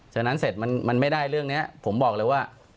ฉะนั้นเสร็จมันไม่ได้เรื่องนี้ผมบอกเลยว่า